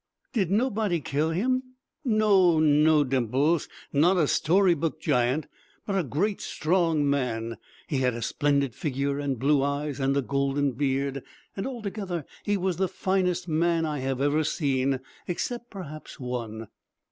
"Did nobody kill him?" "No, no, Dimples. Not a story book giant. But a great, strong man. He had a splendid figure and blue eyes and a golden beard, and altogether he was the finest man I have ever seen except perhaps one."